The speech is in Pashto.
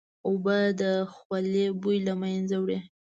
اوبه د خولې بوی له منځه وړي